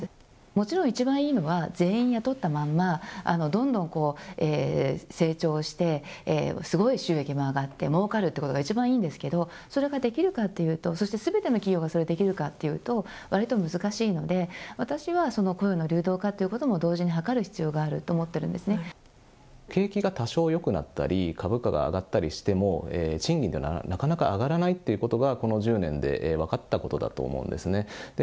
もちろん、一番いいのは全員雇ったまんま、どんどん成長して、すごい収益も上がって、もうかるということが一番いいんですけど、それができるかというと、そして、すべての企業がそれできるかっていうと、わりと難しいので、私は雇用の流動化ということも同時に図る必要があると思っているんで景気が多少よくなったり、株価が上がったりしても、賃金っていうのはなかなか上がらないっていうことが、この１０年で分かったことだと思うんですね。